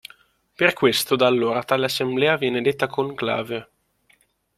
Per questo da allora tale assemblea viene detta conclave.